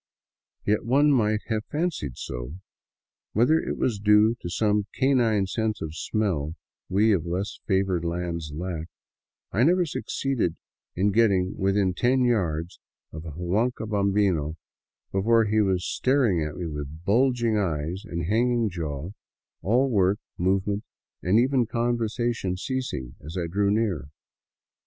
Yet one might have fancied so. Whether it was due to some canine sense of smell we of less favored lands lack, I never succeeded in getting within ten yards of a huanca bambino before he was staring at me with bulging eyes and hanging jaw, all work, movement, and even conversation ceasing as I drew near.